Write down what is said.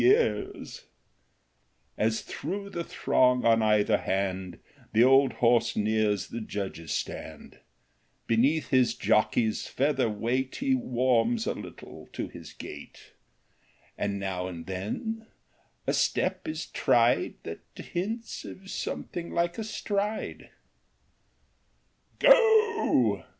44 How the Old Horse Won As through the throng on either hand The old horse nears the judges' stand, Beneath his jockey's feather weight He warms a little to his gait, And now and then a step is tried That hints of something like a stride. How the Old Horse Won " Go